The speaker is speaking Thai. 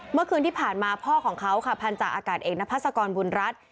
เมื่อคืนที่ผ่านมาพ่อของเขาค่ะพันธาอากาศเอกนพัศกรบุญรัฐ